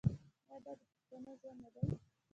آیا دا د پښتنو ژوند نه دی؟